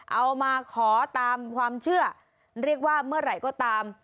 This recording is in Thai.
เอามาขอตามความเชื่อเรียกว่าเมื่อไหร่ก็ตาม